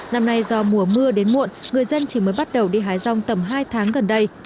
năm nay do mùa mưa đến muộn người dân chỉ mới bắt đầu đi hái rong tầm hai tháng gần đây